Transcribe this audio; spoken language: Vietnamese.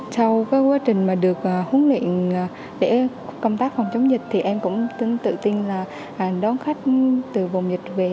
sau cái quá trình mà được huấn luyện để công tác phòng chống dịch thì em cũng tự tin là đón khách từ vùng dịch về